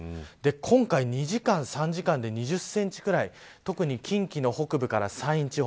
今回２時間、３時間で２０センチぐらい特に近畿の北部から山陰地方